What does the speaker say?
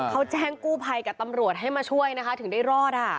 เขาแจ้งกู้ภัยกับตำรวจให้มาช่วยนะคะถึงได้รอด